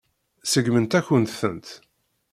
Seggment-akent-tent.